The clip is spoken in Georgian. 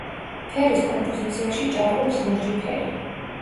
ფერის კომპოზიციაში ჭარბობს ლურჯი ფერი.